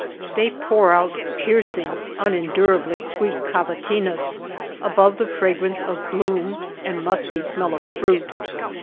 They pour out piercing, unendurably sweet cavatinas above the fragrance of bloom and musky smell of fruit.